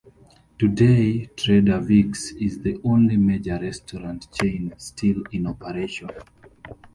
Today, Trader Vic's is the only major restaurant chain still in operation.